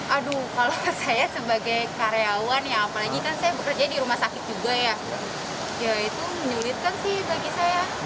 aduh kalau saya sebagai karyawan ya apalagi kan saya bekerja di rumah sakit juga ya ya itu menyulitkan sih bagi saya